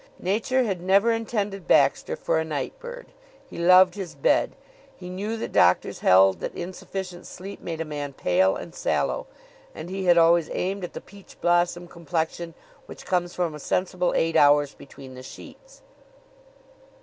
Nature had never intended Baxter for a night bird. He loved his bed. He knew that doctors held that insufficient sleep made a man pale and sallow, and he had always aimed at the peach bloom complexion which comes from a sensible eight hours between the sheets.